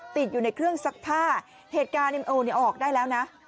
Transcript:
ติดอยู่ในเครื่องซักผ้าเหตุการณ์เอ็มโอเนี่ยเอาออกได้แล้วนะ